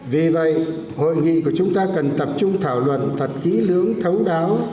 vì vậy hội nghị của chúng ta cần tập trung thảo luận thật kỹ lưỡng thấu đáo